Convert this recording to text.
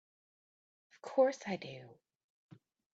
Of course I do!